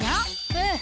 うん！